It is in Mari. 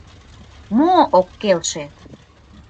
Мо ок келше?